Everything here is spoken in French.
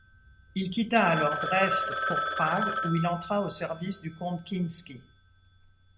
Il quitta alors Dresde pour Prague où il entra au service du comte Kinsky.